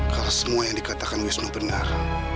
kalau semua yang dikatakan wisnu benar